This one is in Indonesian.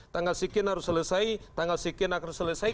tanggal sekian harus selesai tanggal sekian harus selesai